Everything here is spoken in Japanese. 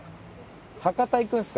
博多行くんですか？